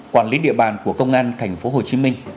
quản lý địa bàn của công an tp hcm